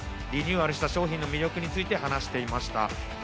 リニューアルした商品の魅力について話していました。